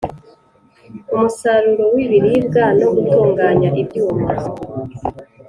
umusaruro w ibiribwa no gutunganya ibyuma